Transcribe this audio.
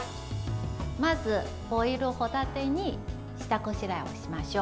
まず、ボイル帆立てに下ごしらえをしましょう。